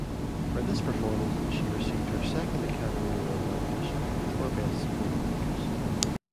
For this performance, she received her second Academy Award nomination, for Best Supporting Actress.